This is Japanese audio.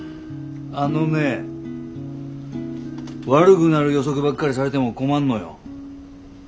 あのね悪ぐなる予測ばっかりされでも困んのよ。